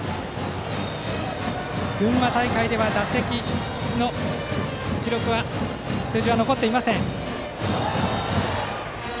群馬大会では打席での数字は残っていません。